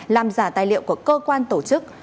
làm giả tài liệu của cơ quan tổ chức